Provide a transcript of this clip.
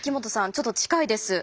ちょっと近いです。